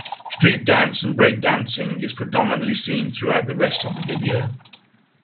Street dance and breakdancing is predominately seen throughout the rest of the video.